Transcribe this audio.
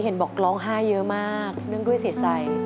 เห็นบอกร้องไห้เยอะมากเนื่องด้วยเสียใจ